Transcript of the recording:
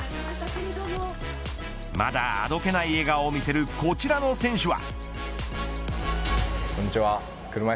まだあどけない笑顔を見せるこちらの選手は。